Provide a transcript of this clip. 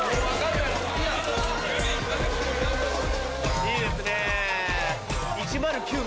いいですね！